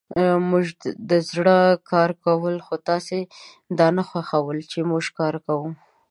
موژدزړه کارکول خوتاسی دانه خوښول چی موژکاروکوو